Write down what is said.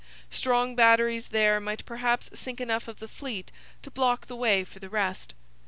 Strong batteries there might perhaps sink enough of the fleet to block the way for the rest.